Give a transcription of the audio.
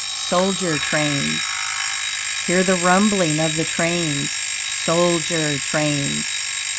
SOLDIER TRAINS Hear the rumbling of the trains, Soldier trains.